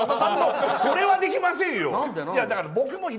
それはできませんよ。